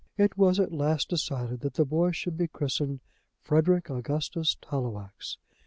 It was at last decided that the boy should be christened Frederic Augustus Tallowax.